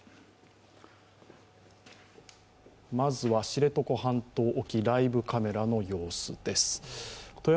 まずは知床半島沖ライブカメラの様子です。